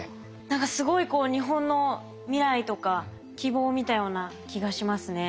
何かすごいこう日本の未来とか希望を見たような気がしますね。